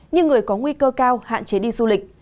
như người có nguy cơ cao hạn chế đi du lịch